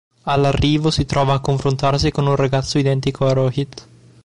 All'arrivo, si trova a confrontarsi con un ragazzo identico a Rohit.